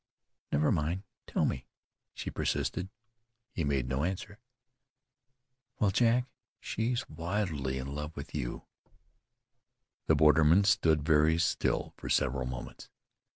"Never mind; tell me," she persisted. He made no answer. "Well, Jack, she's she's wildly in love with you." The borderman stood very still for several moments.